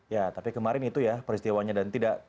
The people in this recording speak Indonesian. ya tapi kemarin itu ya peristiwanya dan tidak